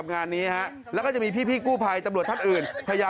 มันคงอัดอันมาหลายเรื่องนะมันเลยระเบิดออกมามีทั้งคำสลัดอะไรทั้งเต็มไปหมดเลยฮะ